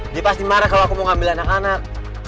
dia pasti marah kalau aku mau ngambil anak anak